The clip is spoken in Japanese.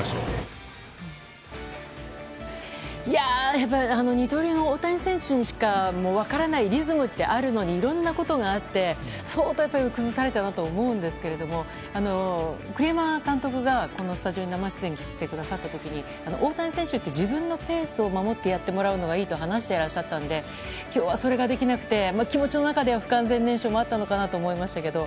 やっぱり、二刀流の大谷選手にしか分からないリズムってあるのにいろんなことがあって相当崩されたなと思うんですけど栗山監督がスタジオに生出演された際に大谷選手って自分のペースを守ってやってもらうのがいいと話していらっしゃったので今日はそれができなかったので気持ちの中で不完全燃焼もあったのかなと思うんですけど。